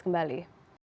terima kasih amelie